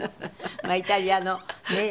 イタリアのねえ